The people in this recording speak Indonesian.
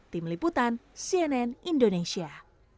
tim liputan cnn indonesia